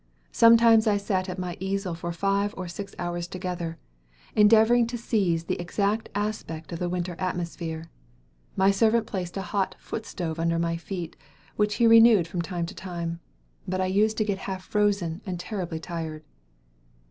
Sometimes I sat at my easel for five or six hours together, endeavoring to seize the exact aspect of the winter atmosphere. My servant placed a hot foot stove under my feet, which he renewed from time to time, but I used to get half frozen and terribly tired."